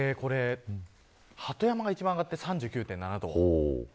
鳩山が一番上がって３９．７度。